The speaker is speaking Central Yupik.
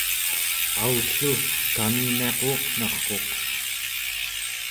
aullu! kaminiaq uuqnarquq